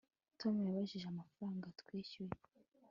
Tom yabajije amafaranga twishyuye